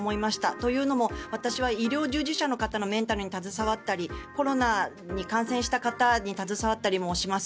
というのも私は医療従事者の方のメンタルに携わったりコロナに感染した方に携わったりもします。